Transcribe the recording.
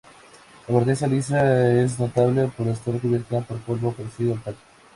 La corteza lisa es notable por estar cubierta por polvo parecido al talco.